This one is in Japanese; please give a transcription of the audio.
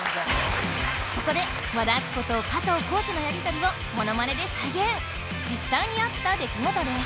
ここで和田アキ子と加藤浩次のやりとりをモノマネで再現実際にあった出来事です